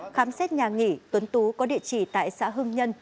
khám xét nhà nghỉ tuấn tú có địa chỉ tại xã hưng nhân